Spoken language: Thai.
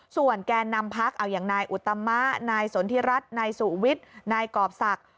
ส่วนแก่นำพักเอาอย่างนายอุตมะนายสนทิรัฐนายสุวิทย์นายกรอบศักดิ์